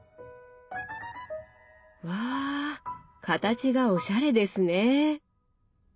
わあ形がおしゃれですね。